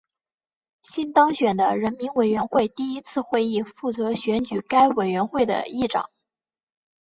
新当选的人民委员会第一次会议负责选举该委员会的议长。